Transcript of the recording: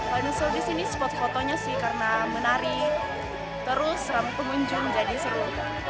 paling seru di sini spot fotonya sih karena menari terus ramah pengunjung jadi seru